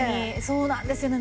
そうなんですよね